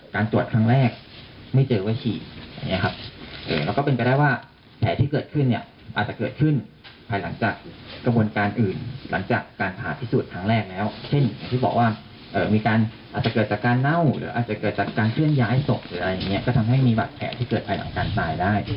เกิดจากการเคลื่อนย้ายศพหรืออะไรอย่างนี้ก็ทำให้มีบัตรแผลที่เกิดภายหลังการตายได้